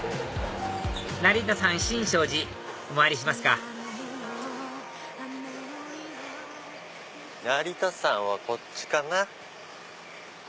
成田山新勝寺お参りしますか成田山はこっちかな。